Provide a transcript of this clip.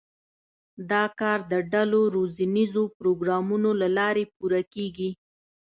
دا کار د ډلو روزنیزو پروګرامونو له لارې پوره کېږي.